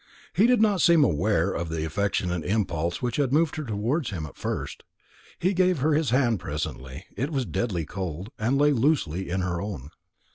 He did not seem aware of the affectionate impulse which had moved her towards him at first. He gave her his hand presently. It was deadly cold, and lay loosely in her own.